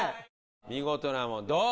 見事なもうどう？